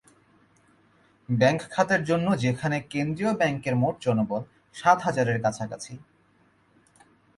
Bank খাতের জন্য যেখানে কেন্দ্রীয় ব্যাংকের মোট জনবল সাত হাজারের কাছাকাছি।